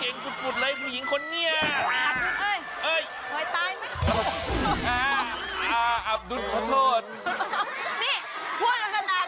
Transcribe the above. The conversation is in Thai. อับดูลรู้ไหมว่าผู้โชคดีวันนี้คือใคร